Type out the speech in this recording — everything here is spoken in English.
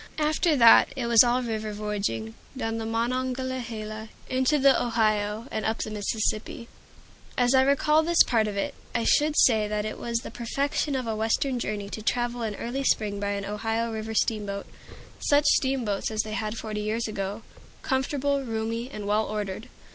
After that it was all river voyaging, down the Monongahela into the Ohio, and up the Mississippi. As I recall this part of it, I should say that it was the perfection of a Western journey to travel in early spring by an Ohio River steamboat, such steamboats as they had forty years ago, comfortable, roomy, and well ordered.